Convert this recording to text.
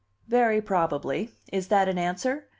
"Very probably. Is that an answer?